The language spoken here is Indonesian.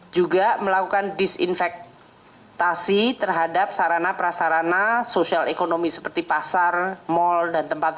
juga melakukan disinfektasi terhadap sarana prasarana sosial ekonomi seperti pasar mal dan tempat